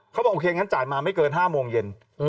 เขาบอกโอเคงั้นจ่ายมาไม่เกิน๕โมงเย็น